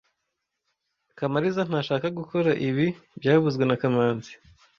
Kamaliza ntashaka gukora ibi byavuzwe na kamanzi